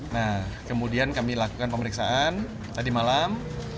nah kemudian kami lakukan pemeriksaan tadi malam